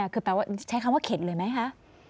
คือแปลว่าใช้คำว่าเข็ดเลยไหมคะ